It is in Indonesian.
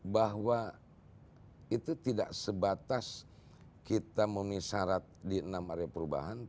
bahwa itu tidak sebatas kita memisarat di enam area perubahan